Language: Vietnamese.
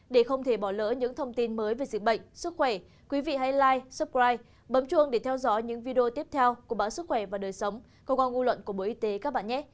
để không bỏ lỡ những thông tin mới về dịch bệnh sức khỏe quý vị hãy like subscribe bấm chuông để theo dõi những video tiếp theo của bản sức khỏe và đời sống công an ngu luận của bộ y tế